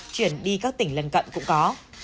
chuyển đi các tỉnh lần cận cũng có